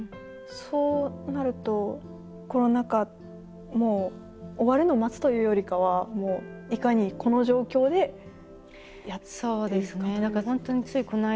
そうなるとコロナ禍もう終わるのを待つというよりかはいかにこの状況でやっていくかという。